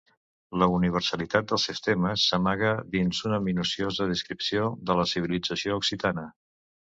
La universalitat dels seus temes s'amaga dins una minuciosa descripció de la civilització occitana.